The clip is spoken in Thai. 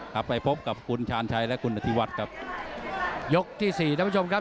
ครับไปพบกับคุณชาญชัยและคุณอธิวัฒน์ครับยกที่สี่ท่านผู้ชมครับ